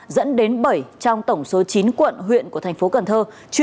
dẫn đến bảy trong tổng số chín quận huyện của thành phố cần thơ